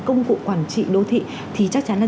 công cụ quản trị đô thị thì chắc chắn là